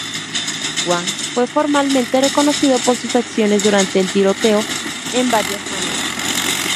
Wang fue formalmente reconocido por sus acciones durante el tiroteo en varias maneras.